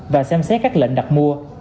và xem xét các lệnh đặt mua